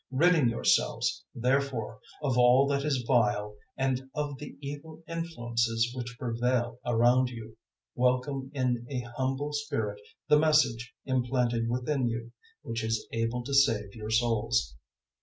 001:021 Ridding yourselves, therefore, of all that is vile and of the evil influences which prevail around you, welcome in a humble spirit the Message implanted within you, which is able to save your souls.